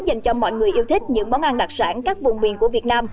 dành cho mọi người yêu thích những món ăn đặc sản các vùng miền của việt nam